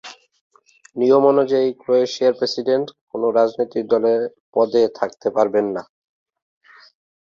নিয়ম অনুযায়ী ক্রোয়েশিয়ার প্রেসিডেন্ট কোন রাজনৈতিক দলের পদে থাকতে পারবেন না।